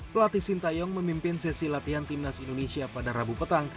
pelatih sintayong memimpin sesi latihan timnas indonesia pada rabu petang